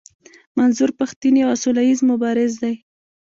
منظور پښتين يو سوله ايز مبارز دی.